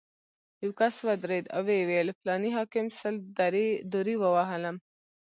یو کس ودرېد او ویې ویل: فلاني حاکم سل درې ووهلم.